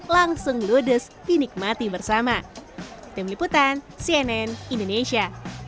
langsung ludes dinikmati bersama